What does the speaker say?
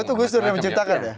itu gus dur yang menciptakan ya